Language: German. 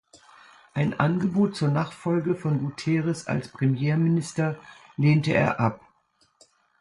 Ein Angebot zur Nachfolge von Guterres als Premierminister lehnte er ab.